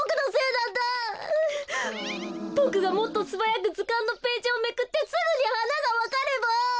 ボクがもっとすばやくずかんのページをめくってすぐにはながわかれば。